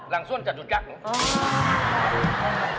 หลังส่วนจากจุดกัก